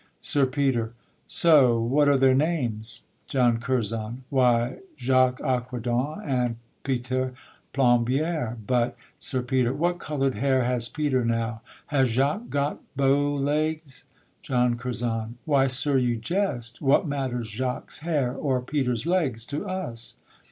SIR PETER. So: What are their names? JOHN CURZON. Why, Jacques Aquadent, And Peter Plombiere, but, SIR PETER. What colour'd hair Has Peter now? has Jacques got bow legs? JOHN CURZON. Why, sir, you jest: what matters Jacques' hair, Or Peter's legs to us?